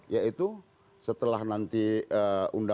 yaitu saluran konstitusional yang ada